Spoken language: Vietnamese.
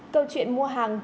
câu chuyện mua hàng